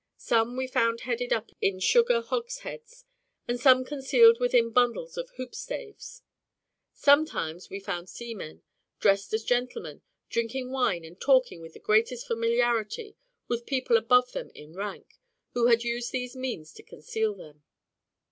Some we found headed up in sugar hogsheads, and some concealed within bundles of hoop staves. Sometimes we found seamen, dressed as gentlemen, drinking wine and talking with the greatest familiarity with people much above them in rank, who had used these means to conceal them.